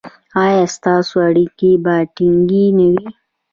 ایا ستاسو اړیکې به ټینګې نه وي؟